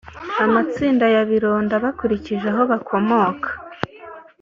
amatsinda y abironda bakurikije aho bakomoka